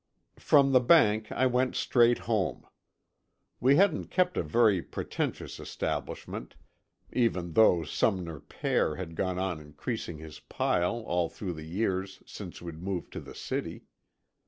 From the bank I went straight home. We hadn't kept a very pretentious establishment, even though Sumner pere had gone on increasing his pile all through the years since we'd moved to the city.